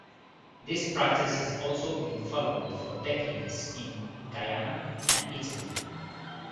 This practice has also been followed for decades in Guyana and Italy.